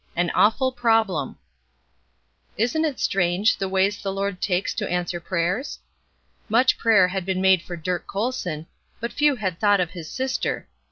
"AN AWFUL PROBLEM" Isn't it strange, the ways the Lord takes to answer prayers? Much prayer had been made for Dirk Colson, but few had thought of his sister.